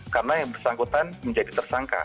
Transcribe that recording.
karena yang bersangkutan menjadi tersangka